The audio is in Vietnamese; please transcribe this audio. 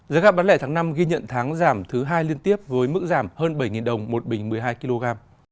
giá gạo bán lẻ tháng năm ghi nhận tháng giảm thứ hai liên tiếp với mức giảm hơn bảy đồng một bình một mươi hai kg